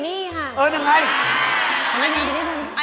น่าข่าวสัยธา